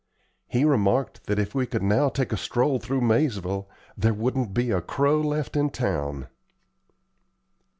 He remarked that if we could now take a stroll through Maizeville, there wouldn't be a crow left in town.